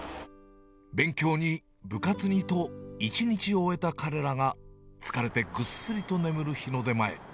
勉強に、部活にと、１日終えた彼らが疲れてぐっすりと眠る日の出前。